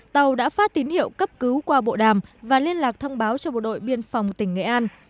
tàu đã phát tín hiệu cấp cứu qua bộ đàm và liên lạc thông báo cho bộ đội biên phòng tỉnh nghệ an